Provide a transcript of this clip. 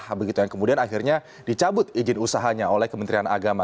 begitu yang kemudian akhirnya dicabut izin usahanya oleh kementerian agama